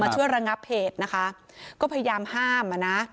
มาช่วยรังับเหตุนะคะก็พยายามว่านะ